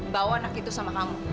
bawa anak itu sama kamu